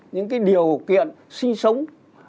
những cái điều kiện sinh sống